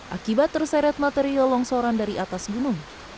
akibat terseret material longsoran dari atas gunung